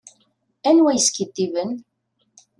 Anwa yeskidiben.